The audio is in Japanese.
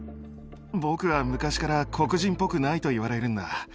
僕は昔から黒人っぽくないと言われるんだ。